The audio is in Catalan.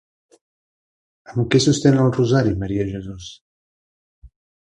Amb què sostenen el rosari Maria i Jesús?